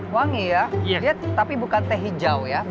wangi ya tapi bukan teh hijau ya